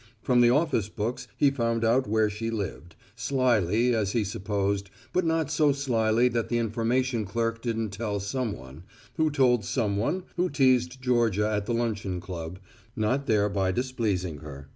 From the office books he found out where she lived, slyly as he supposed, but not so slyly that the information clerk didn't tell someone, who told someone who teased Georgia at the luncheon club, not thereby displeasing her.